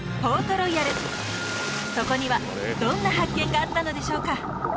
ロイヤルそこにはどんな発見があったのでしょうか？